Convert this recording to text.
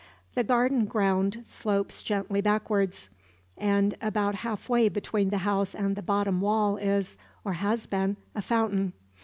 The garden ground slopes gently backward; and about half way between the house and the bottom wall is, or has been, a fountain.